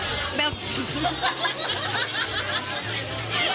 อ่ะเบลค่ะ